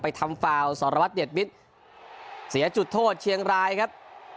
ไปทำสรวจเน็ตวิทย์เสียจุดโทษเชียงรายครับ